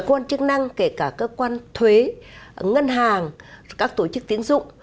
các quân quản lý chức năng kể cả cơ quan thuế ngân hàng các tổ chức tiến dụng